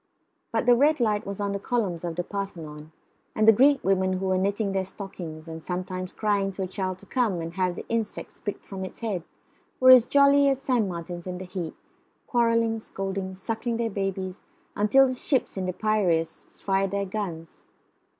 But the red light was on the columns of the Parthenon, and the Greek women who were knitting their stockings and sometimes crying to a child to come and have the insects picked from its head were as jolly as sand martins in the heat, quarrelling, scolding, suckling their babies, until the ships in the Piraeus fired their guns.